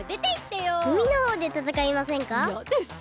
うみのほうでたたかいませんか？